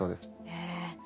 へえ。